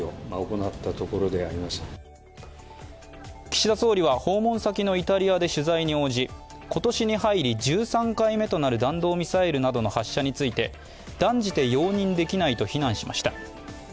岸田総理は訪問先のイタリアで取材に応じ、今年に入り１３回目となる弾道ミサイルなどの発射について断じて容認できないと非難しました。